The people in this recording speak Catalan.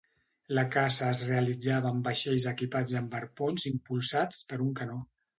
La caça es realitzava amb vaixells equipats amb arpons impulsats per un canó.